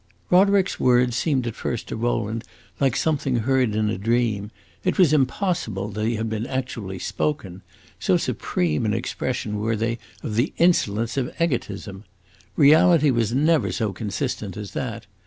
Roderick's words seemed at first to Rowland like something heard in a dream; it was impossible they had been actually spoken so supreme an expression were they of the insolence of egotism. Reality was never so consistent as that!